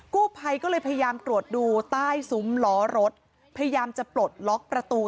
กู้ภัยก็เลยพยายามตรวจดูใต้ซุ้มล้อรถพยายามจะปลดล็อกประตู